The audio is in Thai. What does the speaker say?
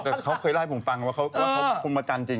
แต่เขาเคยเล่าให้ผมฟังว่าเขาคุมอาจารย์จริง